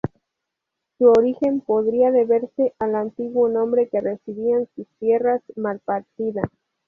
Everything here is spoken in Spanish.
Su origen podría deberse al antiguo nombre que recibían sus tierras: "Malpartida".